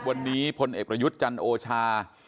วันนี้พลเอกประยุทธ์จันโอชา